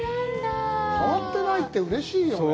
変わってないって、うれしいよね。